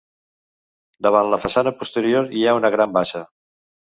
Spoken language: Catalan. Davant la façana posterior hi ha una gran bassa.